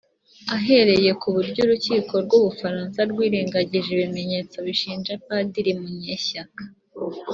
Ahereye ku buryo urukiko rw’u Bufaransa rwirengagije ibimenyetso bishinja Padiri Munyeshyaka